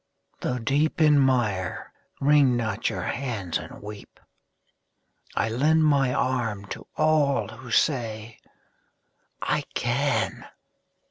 Though deep in mire, wring not your hands and weep; I lend my arm to all who say "I can!"